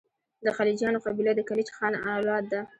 د خلجیانو قبیله د کلیج خان اولاد ده.